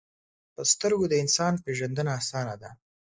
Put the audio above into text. په سترګو د انسان پیژندنه آسانه ده